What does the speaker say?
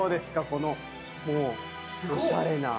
このおしゃれな。